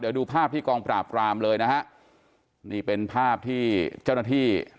เดี๋ยวดูภาพที่กองปราบกรามเลยนะฮะนี่เป็นภาพที่เจ้าหน้าที่